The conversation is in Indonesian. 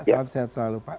salam sehat selalu pak